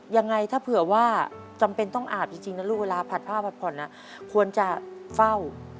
ยังไงถ้าเผื่อว่าจำเป็นต้องอาบจริงนะลูกเวลาผัดผ้าผัดผ่อนควรจะเฝ้า